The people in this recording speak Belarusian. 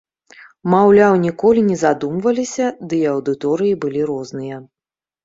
Маўляў, ніколі не задумваліся, ды і аўдыторыі былі розныя.